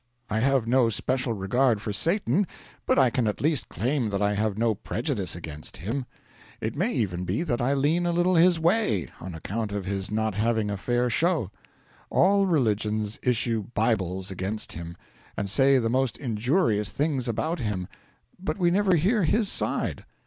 I have no special regard for Satan; but I can at least claim that I have no prejudice against him. It may even be that I lean a little his way, on account of his not having a fair show. All religions issue Bibles against him, and say the most injurious things about him, but we never hear his side.